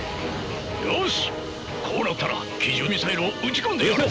よしこうなったら奇獣ミサイルを撃ち込んでやる！